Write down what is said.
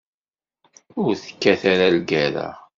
Ur tekkat ara lgerra.